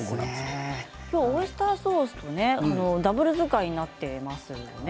今日はオイスターソースとダブル使いになっていますよね。